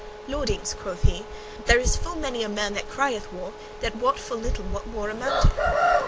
"Lordings," quoth he, "there is full many a man that crieth, 'War! war!' that wot full little what war amounteth.